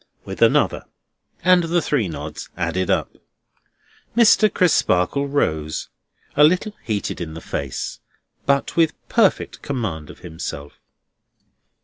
with another and the three nods added up. Mr. Crisparkle rose; a little heated in the face, but with perfect command of himself.